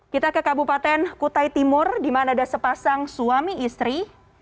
kita ke kabupaten kutai timur di mana ada sepasang suami istri